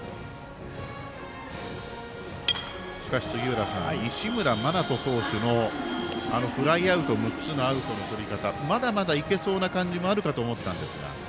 しかし、杉浦さん西村真人投手のあのフライアウト６つのアウトのとり方まだまだいけそうな感じもあったと思ったんですが。